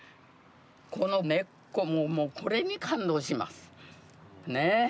この根っこもこれに感動します。ね。